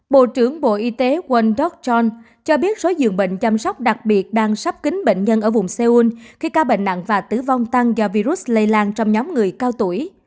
bộ trưởng bộ y tế world chan cho biết số dường bệnh chăm sóc đặc biệt đang sắp kính bệnh nhân ở vùng seoul khi ca bệnh nặng và tử vong tăng do virus lây lan trong nhóm người cao tuổi